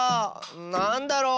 なんだろう？